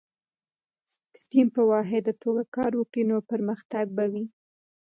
که ټیم په واحده توګه کار وکړي، نو پرمختګ به وي.